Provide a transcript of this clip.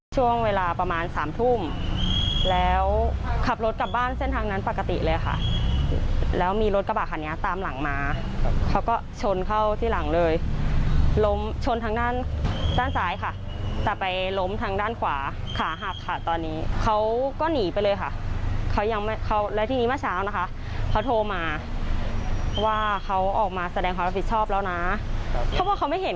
เพราะว่าเค้าไม่เห็นค่ะเค้าไม่ได้ชนแฟนหนูเค้าชนแท่งบารีเออร์